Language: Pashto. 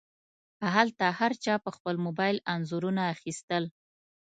هلته هر چا په خپل موبایل انځورونه واخیستل.